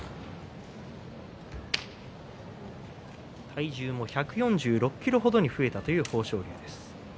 体重も１４６ｋｇまで増えたという豊昇龍。